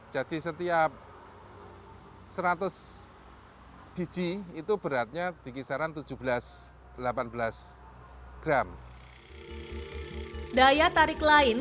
jadi setiap seratus biji itu beratnya di kisaran tujuh belas delapan belas ton